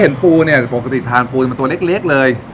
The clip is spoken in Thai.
ปูเนี่ยปกติทานปูมันตัวเล็กเลย